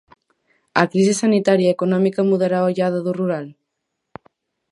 A crise sanitaria e económica mudará a ollada do rural?